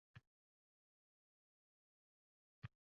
insonga atrof dunyo va o‘zi bilan uyg‘unlikda bo‘lishni keltiradi